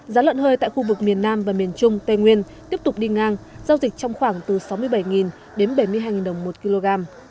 giá lợn hơi tại khu vực miền nam và miền trung tây nguyên tiếp tục đi ngang giao dịch trong khoảng từ sáu mươi bảy đến bảy mươi hai đồng một kg